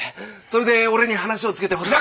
それで俺に話をつけてほしい。